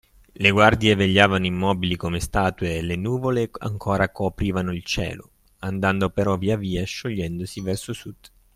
le guardie vegliavano immobili come statue, e le nuvole ancora coprivano il cielo, andando però via via sciogliendosi verso sud.